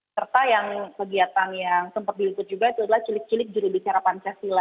serta yang kegiatan yang sempat diikut juga itu adalah cilik cilik jurubicara pancasila